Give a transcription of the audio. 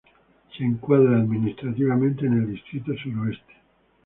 Se encuadra administrativamente en el distrito Suroeste.